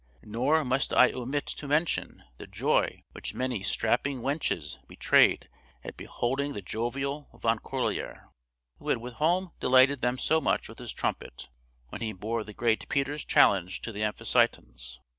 Nor must I omit to mention the joy which many strapping wenches betrayed at beholding the jovial Van Corlear, who had whilom delighted them so much with his trumpet, when he bore the great Peter's challenge to the Amphictyons.